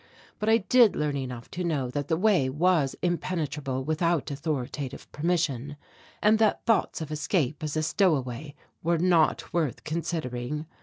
But I did learn enough to know that the way was impenetrable without authoritative permission, and that thoughts of escape as a stowaway were not worth considering.